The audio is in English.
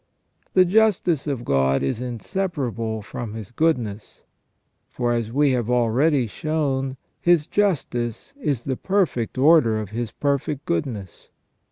"t The justice of God is inseparable from His goodness. For, as we have already shown. His justice is the perfect order of His perfect goodness.